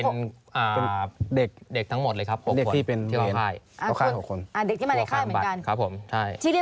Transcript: คือเด็กนี้หายุได้น้อยกว่าเขาหรอ